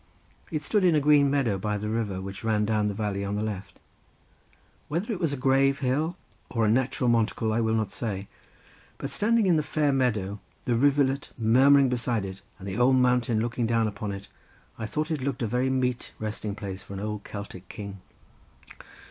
It stood in a green meadow by the river which ran down the valley on the left. Whether it was a grave hill or a natural monticle, I will not say; but standing in the fair meadow, the rivulet murmuring beside it, and the old mountain looking down upon it, I thought it looked a very meet resting place for an old Celtic king.